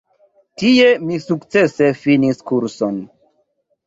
Tie mi sukcese finis kurson.